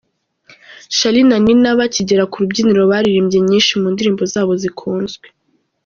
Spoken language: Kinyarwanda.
Charly na Nina bakigera ku rubyiniro baririmbye nyinshi mu ndirimbo zabo zikunzwe.